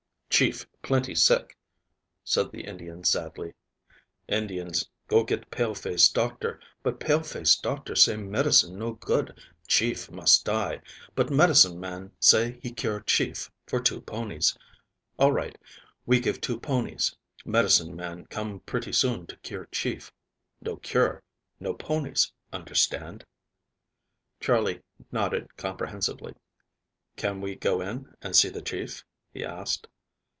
"Chief plenty sick," said the Indian sadly. "Indians go get paleface doctor, but paleface doctor say medicine no good, chief must die, but medicine man say he cure chief for two ponies. All right, we give two ponies. Medicine man come pretty soon to cure chief. No cure, no ponies. Understand?" Charley nodded comprehensively. "Can we go in and see the chief?" he asked.